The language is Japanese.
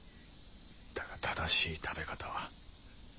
だが正しい食べ方は。